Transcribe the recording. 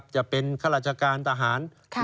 จะเป็นข้าราชการทหาร